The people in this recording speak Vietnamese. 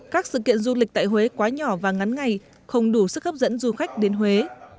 các sự kiện du lịch tại huế quá nhỏ và ngắn ngày không đủ sức hấp dẫn du khách đến huế